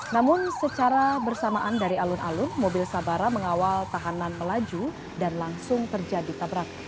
namun secara bersamaan dari alun alun mobil sabara mengawal tahanan melaju dan langsung terjadi tabrak